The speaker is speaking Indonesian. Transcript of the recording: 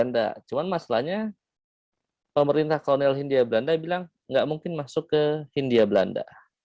tapi masalahnya pemerintah kawanan hindia belanda bilang tidak mungkin masuk ke hindia belanda